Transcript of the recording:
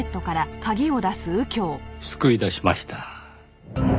救い出しました。